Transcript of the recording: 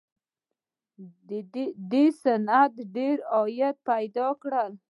دې صنعت ډېر عاید پیدا کړ